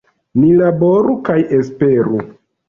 Ni laboru kaj esperu.